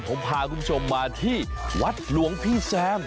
ผมพาคุณผู้ชมมาที่วัดหลวงพี่แซม